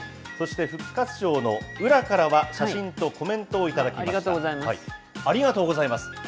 そして復活賞の宇良からは写真とありがとうございます。